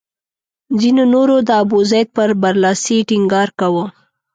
ځینو نورو د ابوزید پر برلاسي ټینګار کاوه.